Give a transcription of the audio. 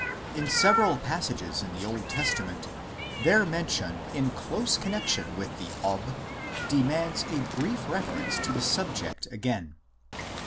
In several passages in the Old Testament their mention in close connexion with the Ob demands a brief reference to the subject again.